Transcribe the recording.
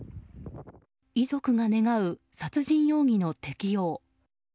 遺族が願う、殺人容疑の適用。